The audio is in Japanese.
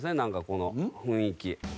この雰囲気。